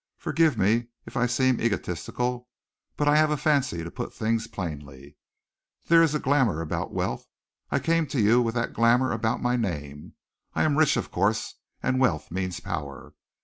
Forgive me if I seem egotistical, but I have a fancy to put things plainly. There is a glamour about wealth. I came to you with that glamour about my name. I am rich, of course, and wealth means power.